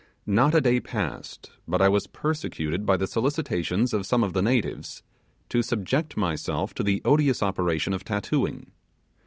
Not a day passed but I was persecuted by the solicitations of some of the natives to subject myself to the odious operation of tattooing.